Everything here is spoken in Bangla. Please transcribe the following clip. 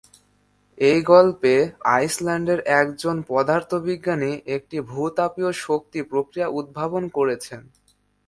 এই গল্পে আইসল্যান্ডের একজন পদার্থবিজ্ঞানী একটি ভূ-তাপীয় শক্তি প্রক্রিয়া উদ্ভাবন করেছেন।